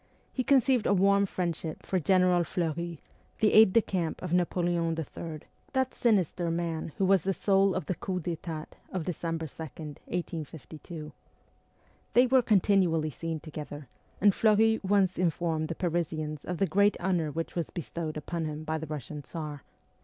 he conceived a warm friend ship for general Fleury, the aide de camp of Napoleon III., that sinister man who was the soul of the coup d'6tat of December 2, 1852. They were continually seen together, and Fleury once informed the Parisians of the great honour which was bestowed upon him by the Russian Tsar.